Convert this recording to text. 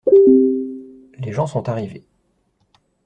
Les gens sont arrivés.